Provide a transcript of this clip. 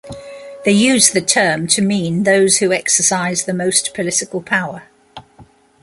They use the term to mean those who exercise the most political power.